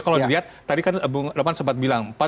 kalau dilihat tadi kan abang adman sempat bilang